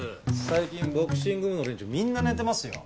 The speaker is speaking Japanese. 最近ボクシング部の連中みんな寝てますよ。